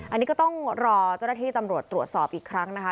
อันนี้ก็ต้องรอเจ้าหน้าที่ตำรวจตรวจสอบอีกครั้งนะคะ